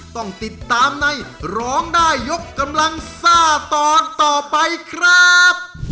ต้องติดตามในร้องได้ยกกำลังซ่าตอนต่อไปครับ